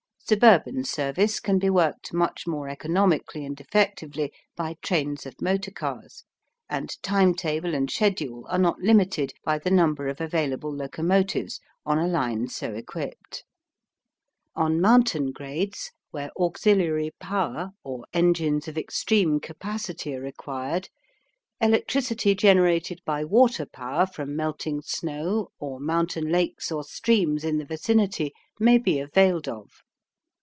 Suburban service can be worked much more economically and effectively by trains of motor cars, and time table and schedule are not limited by the number of available locomotives on a line so equipped. On mountain grades, where auxiliary power or engines of extreme capacity are required, electricity generated by water power from melting snow or mountain lakes or streams in the vicinity may be availed of.